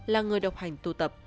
là người độc hành tu tập